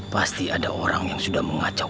pasti ada orang yang sudah mengacau